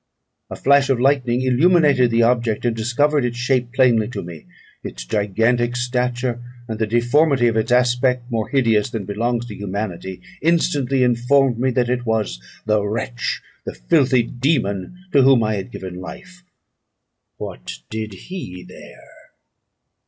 A flash of lightning illuminated the object, and discovered its shape plainly to me; its gigantic stature, and the deformity of its aspect, more hideous than belongs to humanity, instantly informed me that it was the wretch, the filthy dæmon, to whom I had given life. What did he there?